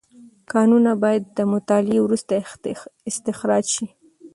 کانونه باید د مطالعې وروسته استخراج شي.